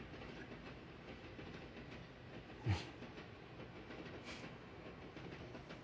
うん。